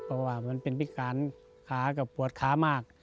เพราะว่ามันเป็นพิการขากับปวดขามาก